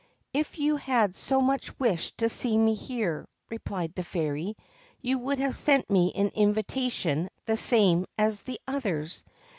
' If you had so much wished to see me here,' replied the fairy, ' you would have sent me an invitation the same as the others.